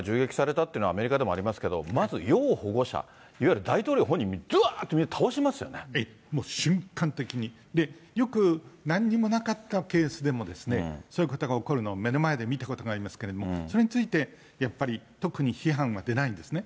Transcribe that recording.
ど、まず要保護者、いわゆる大統領本人に、どわーっと、みんな倒しまもう瞬間的に、よくなんにもなかったケースでも、そういうことが起こるのを目の前で見たことありますけど、それについて、やっぱり特に批判は出ないんですね。